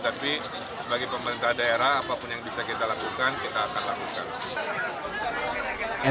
tapi sebagai pemerintah daerah apapun yang bisa kita lakukan kita akan lakukan